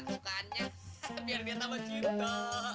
sukanya biar dia tambah cinta